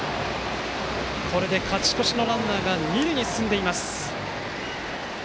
これで勝ち越しのランナーが二塁に進んでいます。